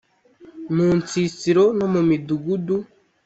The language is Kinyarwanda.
mu nsisiro no mu midugudu